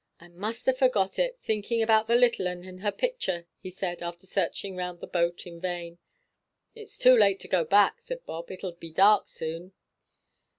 "I must ha' forgot it, thinking about the little 'un and her picture," he said, after searching round the boat in vain. "It's too late to go back," said Bob; "it'll be dark soon."